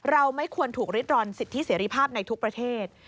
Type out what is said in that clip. ไม่ควรถูกริดรอนสิทธิเสรีภาพในทุกประเทศ